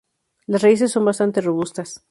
Las raíces son bastante robustas.